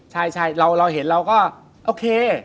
ใช่เราเห็นเราก็โอเค